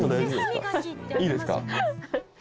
いいですか？